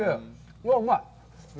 うわ、うまい。